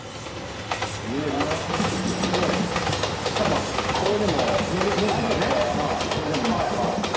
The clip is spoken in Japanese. まあこれでも投げてこれでもいいんですけど。